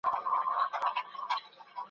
او که خدای دي په نصیب کړی انسان وي `